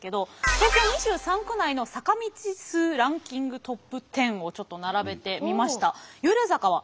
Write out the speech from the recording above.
東京２３区内の坂道数ランキングトップ１０をちょっと並べてみました。